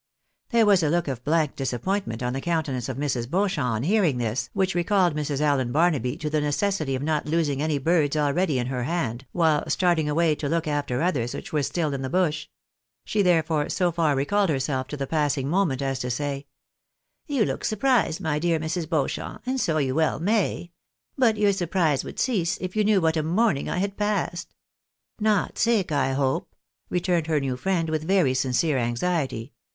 There was a look of blank disappointment on the countenance of Mrs. Beaucliamp on hearing this, which recalled Mrs. Allen Barnaby to the necessity of not losing any birds already in her hand, while starting away to look after others which were still in the bush ; she therefore so far recalled herself to the passing moment as to say —" You look surprised, my dear Mrs. Beauchamp, and so you well may ! But your surprise would cease if you knew what a morning I had passed." " Not sick, I hope ?" returned her new friend, with very sincere anxiety.